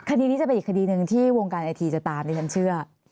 คดีนี้จะเป็นอีกคดีหนึ่งที่วงการไอทีจะตามดิฉันเชื่อ